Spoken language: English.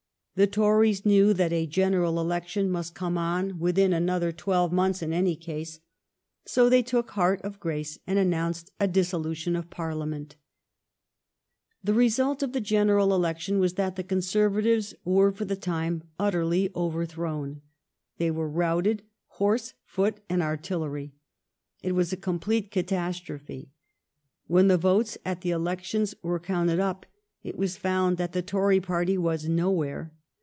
The Tories knew that a general election must come on within another twelve months in any case. So they took heart of grace, and announced a dissolution of Parliament. The result of the general election was that the Conservatives were for the time utterly overthrown. They were routed, horse, foot, and artillery. It was a complete catastrophe. When the votes at the elections were counted up, it was found that the Tory party was nowhere.